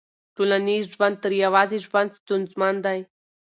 ټولنیز ژوند تر يوازي ژوند ستونزمن دی.